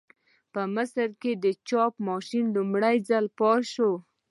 په مصر کې د چاپ ماشین لومړي ځل فعال شو.